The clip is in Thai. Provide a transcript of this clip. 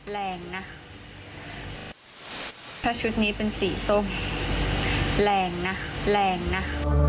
แรงนะถ้าชุดนี้เป็นสีส้มแรงนะแรงนะ